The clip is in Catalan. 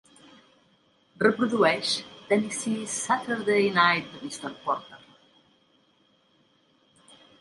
Reprodueix Tennessee Saturday Night de Mr. Porter